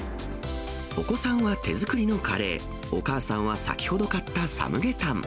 お子さんは手作りのカレー、お母さんは先ほど買ったサムゲタン。